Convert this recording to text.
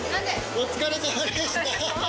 お疲れさまでした。